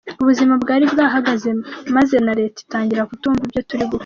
Ubuzima bwari bwahagaze maze na Leta itangira kutumva ibyo turi gukora.